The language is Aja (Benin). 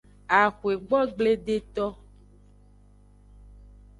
Axwegbogbledeto.